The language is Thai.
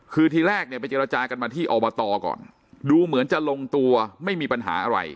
คือทีแรกเนี่ยไปเจรจากันมาที่อบตก่อนดูเหมือนจะลงตัวไม่มีปัญหาอะไร